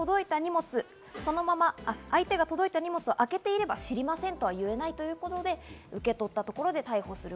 相手が届いた荷物をそのまま開けていれば知りませんとは言えないということで受け取ったところで逮捕する。